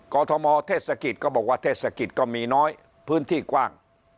กรทมเทศกิจก็บอกว่าเทศกิจก็มีน้อยพื้นที่กว้าง